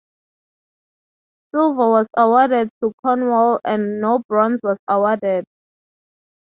Silver was awarded to Cornwall and no bronze was awarded.